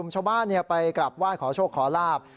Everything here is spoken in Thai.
ชาวบ้านไปกลับไหว้ขอโชคขอลาบ